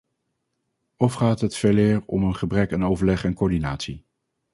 Of gaat het veeleer om een gebrek aan overleg en coördinatie?